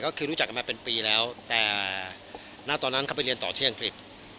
ก็คือรู้จักกันมาเป็นปีแล้วแต่ณตอนนั้นเขาไปเรียนต่อที่อังกฤษ